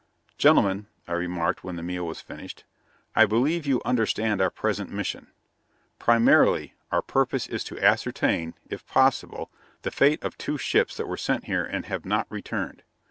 "Gentlemen," I remarked when the meal was finished, "I believe you understand our present mission. Primarily, our purpose is to ascertain, if possible, the fate of two ships that were sent here and have not returned.